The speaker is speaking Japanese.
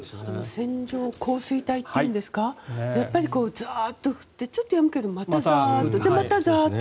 線状降水帯っていうんですかやっぱりザーッと降ってちょっとやむけどまたザーッと。